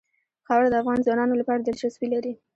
خاوره د افغان ځوانانو لپاره دلچسپي لري.